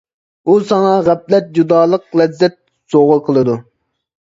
ئۇ ساڭا غەپلەت، جۇدالىق، لەززەت سوۋغا قىلىدۇ.